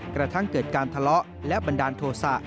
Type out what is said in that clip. กระทั่งเกิดการทะเลาะและบันดาลโทษะ